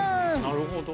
なるほど。